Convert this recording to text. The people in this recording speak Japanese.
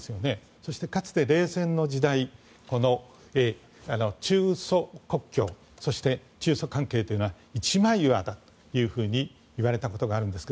そして、かつて冷戦の時代中ソ国境そして、中ソ関係というのは一枚岩だといわれたことがあるんですが